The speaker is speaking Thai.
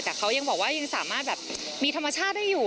แต่เขายังบอกว่ายังสามารถแบบมีธรรมชาติได้อยู่